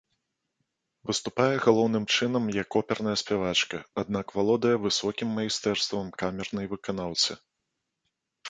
Выступае галоўным чынам як оперная спявачка, аднак валодае высокім майстэрствам камернай выканаўцы.